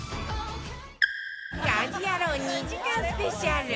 『家事ヤロウ！！！』２時間スペシャル